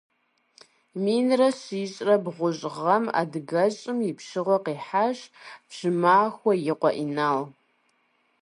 Минрэ щищрэ бгъущӏ гъэм адыгэщӏым и пщыгъуэр къихьащ Пщымахуэ и къуэ Инал.